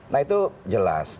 nah itu jelas